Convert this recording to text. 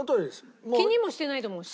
気にもしてないと思う。